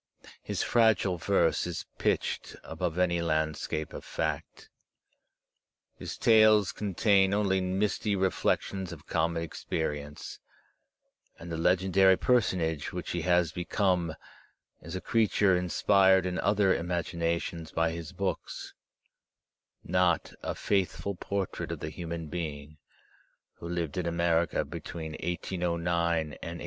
His fragile verse is pitched above any landscape of fact; his tales contain only misty reflections of common experience; and the legendary personage which he faias become is a creature inspired in other imaginations by his books, not a faithful portrait of the human being who lived in America between 1809 and 1849.